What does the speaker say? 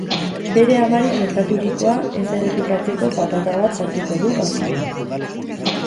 Bere amari gertaturikoa ez errepikatzeko patata bat sartuko du baginan.